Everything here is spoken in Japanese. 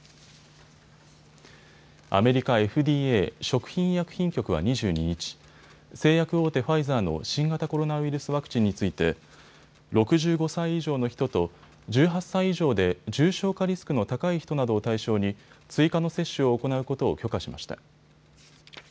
アメリカＦＤＡ・食品医薬品局は２２日、製薬大手ファイザーの新型コロナウイルスワクチンについて６５歳以上の人と１８歳以上で重症化リスクの高い人などを対象に追加の接種を行うことを許可しました。